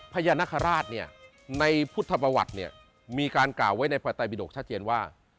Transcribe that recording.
พญานาคาราชเนี่ยในพุทธประวัติเนี่ยมีการกล่าวไว้ในพระไตบิดกชัดเจนว่า